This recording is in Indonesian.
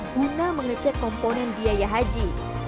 guna mengecek komponen biaya haji